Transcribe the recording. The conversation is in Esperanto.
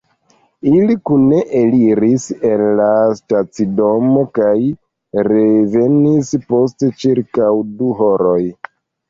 Ili kune eliris el la stacidomo kaj revenis post ĉirkaŭ du horoj.